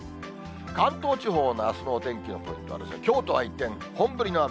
関東地方のあすのお天気のポイントは、きょうとは一転、本降りの雨。